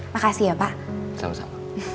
makasih ya pak